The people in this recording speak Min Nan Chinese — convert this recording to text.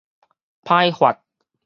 歹發